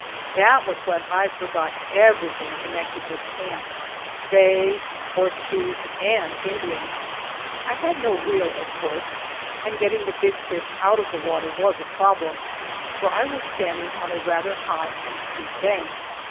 That was when I forgot everything connected with camp Faye, horse thieves, and Indians! I had no reel, of course, and getting the big fish out of the water was a problem, for I was standing on a rather high and steep bank.